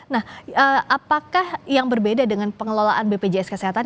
nah apakah yang berbeda dengan pengelolaan bpjs kesehatan